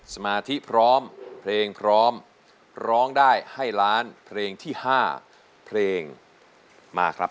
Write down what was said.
สมาธิพร้อมเพลงพร้อมร้องได้ให้ล้านเพลงที่๕เพลงมาครับ